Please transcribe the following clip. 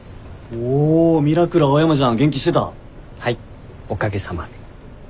はいおかげさまで。